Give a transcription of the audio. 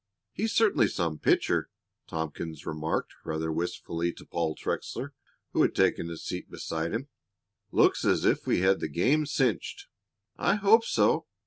"He's certainly some pitcher!" Tompkins remarked rather wistfully to Paul Trexler, who had taken a seat beside him. "Looks as if we had the game cinched." "I hope so.